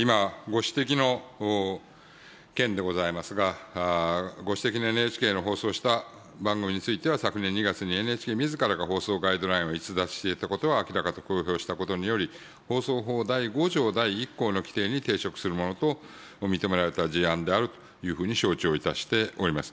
今、ご指摘の件でございますが、ご指摘のＮＨＫの放送した番組については、昨年２月にＮＨＫみずからが放送ガイドラインを逸脱していたことを明らかと公表したことにより、放送法第５条第１項の規定に抵触するものと認められた事案であるというふうに承知をいたしております。